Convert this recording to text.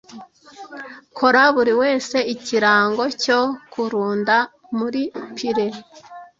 Kora buriwese ikirango cyo kurunda muri pyre